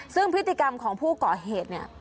ซึ่งพฤติกรรมของผู้ก่อเหตุเนี่ย